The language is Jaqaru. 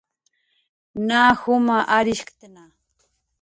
Na juma arishktna